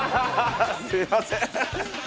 すみません。